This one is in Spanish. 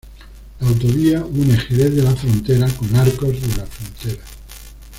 La autovía une Jerez de la Frontera con Arcos de la Frontera.